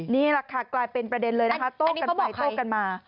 นี่แหละค่ะกลายเป็นประเด็นเลยนะคะโต้กันไปโต้กันมา